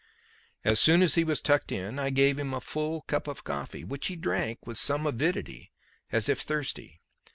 As soon as he was tucked in, I gave him a full cup of coffee, which he drank with some avidity as if thirsty.